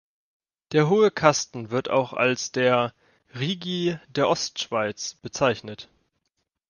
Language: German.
Der Hohe Kasten wird auch als der «Rigi der Ostschweiz» bezeichnet.